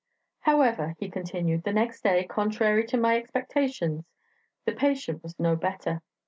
"However," he continued, "the next day, contrary to my expectations, the patient was no better.